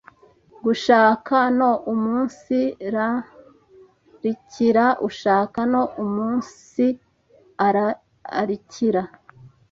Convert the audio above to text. Gushaka no umunsirarikira ushaka no umunsirarikira